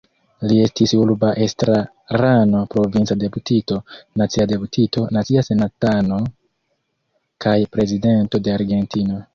Li estis urba estrarano, provinca deputito, nacia deputito, nacia senatano kaj Prezidento de Argentino.